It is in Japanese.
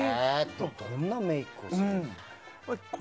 どんなメイクをするんですか？